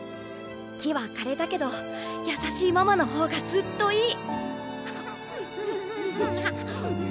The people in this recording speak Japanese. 木はかれたけど優しいママのほうがずっといい。